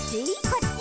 「こっち」